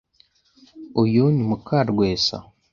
Uyu ni muka Rwesa?